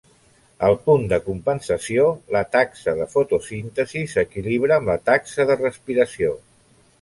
Al punt de compensació, la taxa de fotosíntesi s'equilibra amb la taxa de respiració.